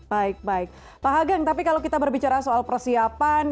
baik baik pak hageng tapi kalau kita berbicara soal persiapan